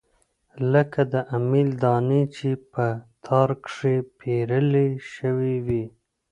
لکه د امېل دانې چې پۀ تار کښې پېرلے شوي وي